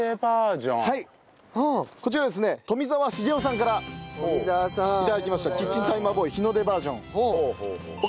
こちらですね富澤茂雄さんから頂きましたキッチンタイマーボーイ日の出バージョン。